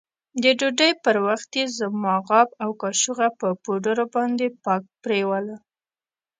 د ډوډۍ پر وخت يې زما غاب او کاشوغه په پوډرو باندې پاک پرېولل.